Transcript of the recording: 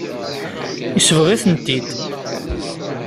Yesbeɣ-itent-id.